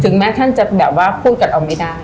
แม้ท่านจะแบบว่าพูดกับเราไม่ได้